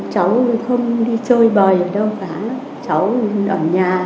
cháu không đi chơi bòi ở đâu cả cháu ở nhà